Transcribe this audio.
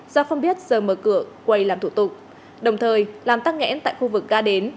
do không biết giờ mở cửa quầy làm thủ tục đồng thời làm tắc nghẽn tại khu vực ga đến